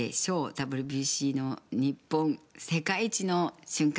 ＷＢＣの日本、世界一の瞬間。